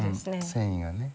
繊維がね。